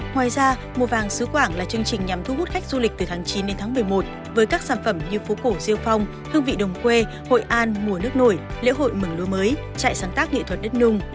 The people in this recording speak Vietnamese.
ngoài ra mùa vàng xứ quảng là chương trình nhằm thu hút khách du lịch từ tháng chín đến tháng một mươi một với các sản phẩm như phố cổ diêu phong hương vị đồng quê hội an mùa nước nổi lễ hội mừng lúa mới trại sáng tác nghệ thuật đất nung